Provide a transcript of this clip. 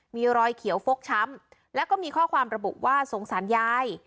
มีรอยเขียวฟกช้ำแล้วก็มีข้อความระบุว่าสงสารยาย